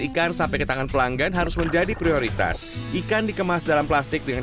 ikan sampai ke tangan pelanggan harus menjadi prioritas ikan dikemas dalam plastik dengan